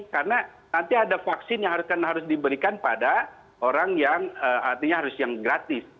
karena nanti ada vaksin yang harus diberikan pada orang yang artinya harus yang gratis